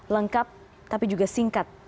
lengkap tapi juga singkat